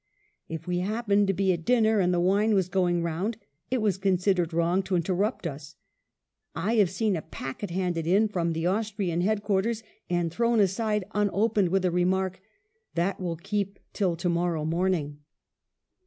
"If we happened to be at dinner and the wine was going round, it was considered wrong to interrupt us. I have seen a packet handed in from the Austrian head quarters and thrown aside unopened, with a remark, *That will keep till to morrow morning.'